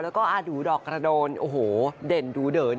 แล้วก็อาดูดอกกระโดนโอ้โหเด่นดูเด๋อ